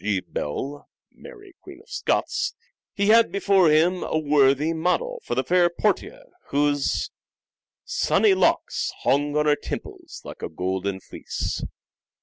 G. Bell—" Mary Queen of Scots ") he had before him a worthy model for the fair Portia, whose '' sunny locks Hung on her temples like a golden fleece."